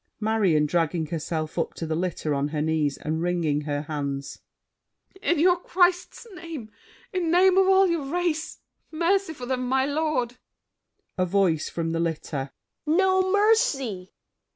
MARION (dragging herself up to the litter on her knees and wringing her hands). In your Christ's name! In name of all your race, Mercy for them, my lord! A VOICE (from the litter). No mercy!